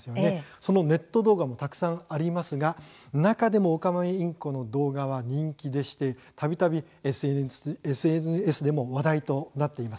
そのネット動画もたくさんありますが中でもオカメインコの動画は人気でしてたびたびＳＮＳでも話題になっています。